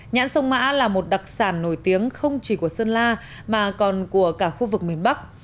nhãn sông mã là một đặc sản nổi tiếng không chỉ của sơn la mà còn của cả khu vực miền bắc